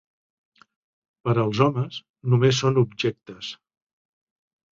Per als homes, només són objectes.